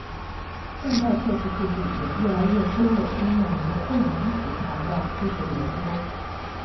现代测试技术也越来越多地应用于混凝土材料科学的研究。